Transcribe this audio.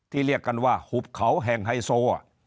เรียกกันว่าหุบเขาแห่งไฮโซ